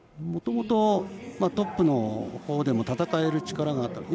もともとトップのほうでも戦える力がある。